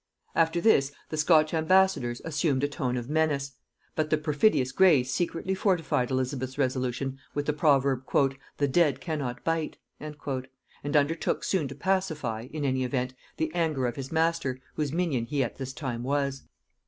After this, the Scotch ambassadors assumed a tone of menace: but the perfidious Gray secretly fortified Elizabeth's resolution with the proverb, "The dead cannot bite;" and undertook soon to pacify, in any event, the anger of his master, whose minion he at this time was.